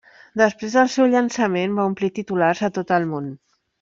Després del seu llançament, va omplir titulars a tot el món.